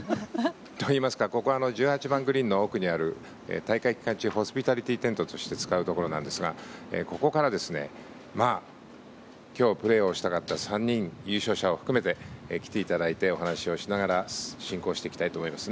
といいますか、ここは１８番グリーンの奥にある大会期間中ホスピタリティーテントとして使うところなんですが、ここから今日プレーをしたかった３人優勝者を含めて来ていただいてお話を聞きながら進行していきたいと思います。